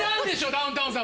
ダウンタウンさん